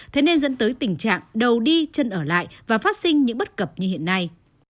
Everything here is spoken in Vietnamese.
thế nên dẫn tới tình trạng đầu đi chân ở lại và phát sinh những bất cập như hiện nay